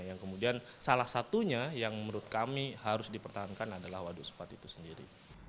yang kemudian salah satunya yang menurut kami harus dipertahankan adalah waduk sepat itu sendiri